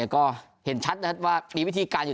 ก็เห็นชัดว่ามีวิธีการอยู่